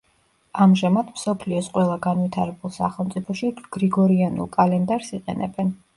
ამჟამად მსოფლიოს ყველა განვითარებულ სახელმწიფოში გრიგორიანულ კალენდარს იყენებენ.